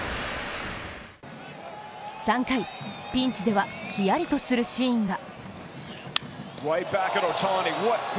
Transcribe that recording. ３回、ピンチではヒヤリとするシーンが。